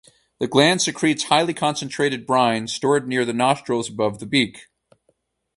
The gland secretes highly concentrated brine stored near the nostrils above the beak.